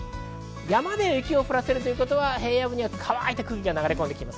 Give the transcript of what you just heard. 山を雪で降らせるということは乾いた空気が流れ込んできます。